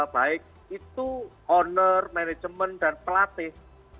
baik itu owner manajemen dan pelatih